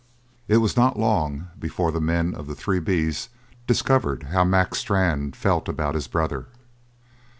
It was not long before the men of the Three B's discovered how Mac Strann felt about his brother.